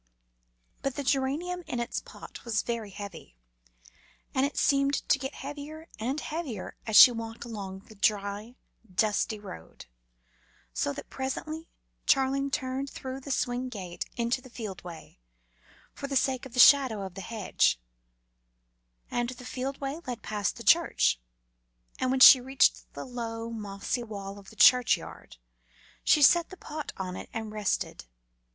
But the geranium in its pot was very heavy and it seemed to get heavier and heavier as she walked along the dry, dusty road, so that presently Charling turned through the swing gate into the field way, for the sake of the shadow of the hedge; and the field way led past the church, and when she reached the low, mossy wall of the churchyard, she set the pot on it and rested.